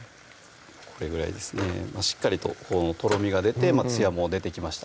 これぐらいですねしっかりととろみが出てつやも出てきました